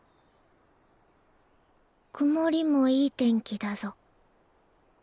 曇りもいい天気だぞ。